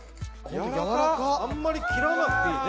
やらか・あんまり切らなくていいね。